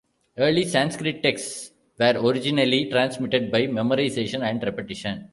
Early Sanskrit texts were originally transmitted by memorization and repetition.